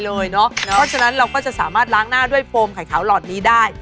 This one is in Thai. เพราะฉะนั้นเราก็จะสามารถล้างหน้าด้วยโฟมไข่ขาวหลอดนี้ได้